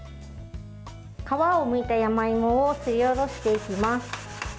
皮をむいた山芋をすりおろしていきます。